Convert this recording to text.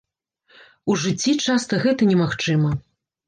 У жыцці часта гэта немагчыма.